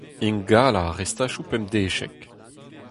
Ingalañ ar restachoù pemdeziek.